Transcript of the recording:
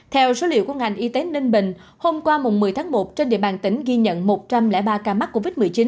theo số liệu của ngành y tế ninh bình hôm qua một mươi tháng một trên địa bàn tỉnh ghi nhận một trăm linh ba ca mắc covid một mươi chín